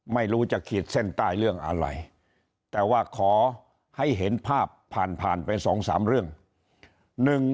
ไม่รู้จะขีดเส้นใต้เรื่องอะไรแต่ว่าขอให้เห็นภาพผ่านผ่านไป๒๓เรื่อง